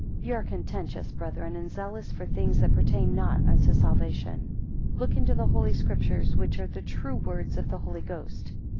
YE are contentious, brethren, and zealous for things that pertain not unto salvation. 2 Look into the Holy Scriptures, which are the true words of the Holy Ghost.